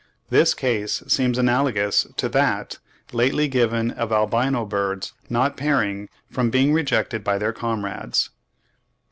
This case seems analogous to that lately given of albino birds not pairing from being rejected by their comrades.